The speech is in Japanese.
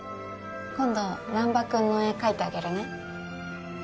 今度難破君の絵描いてあげるね。